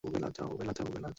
জানি, তা হলে আমি ঠকব।